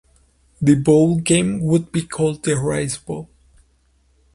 The bowl game would be called the Rice Bowl.